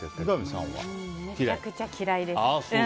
めちゃくちゃ嫌いです。